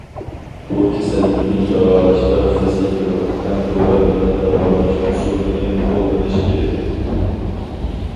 بۇ كېسەللىكنى داۋالاشتا فىزىكىلىق ھەم دورا بىلەن داۋالاش ئۇسۇلىنى قوللىنىش كېرەك.